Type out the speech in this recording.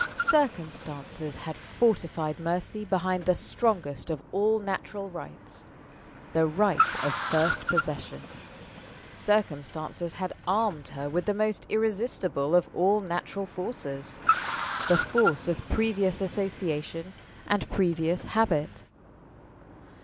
Circumstances had fortified Mercy behind the strongest of all natural rights the right of first possession. Circumstances had armed her with the most irresistible of all natural forces the force of previous association and previous habit.